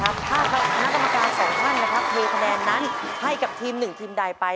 ถ้าผู้น้ำตาบินกับน้ากรรมการ๒ท่านเทคะแนนนั้นให้กับทีม๑ทีมใดไป